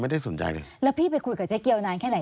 แล้วพี่บอกว่าจะคุยกับเจ๊เกี๊ยวนานแค่ไหนก็ถึงพาไปหาจารโสตกิศ